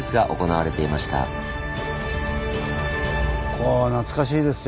ここは懐かしいですよ